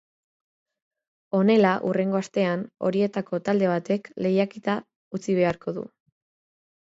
Honela, hurrengo astean, horietako talde batek lehiaketa utzi beharko du.